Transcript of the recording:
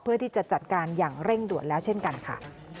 เพื่อที่จะจัดการอย่างเร่งด่วนแล้วเช่นกันค่ะ